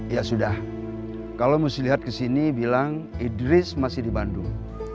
ya sudah kalau mesti lihat kesini bilang idris masih di bandung